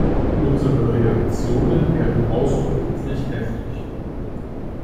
Unsere Reaktionen wären außerordentlich heftig.